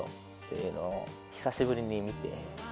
これを久しぶりに見て。